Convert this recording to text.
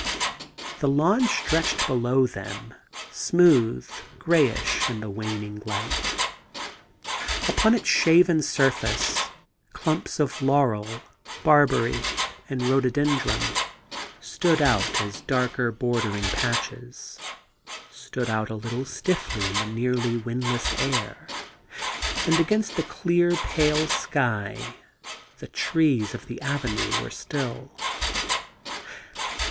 The lawn stretched below them, smooth, greyish in the waning light. Upon its shaven surface clumps of laurel, barbary, and rhododendron stood out as darker, bordering patches — stood out a little stiffly in the nearly Mrindless air; and against the clear pale sky the trees of the avenue were still.